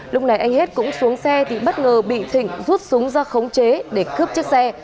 lúc này anh hết cũng xuống xe thì bất ngờ bị thịnh rút súng ra khống chế để cướp chiếc xe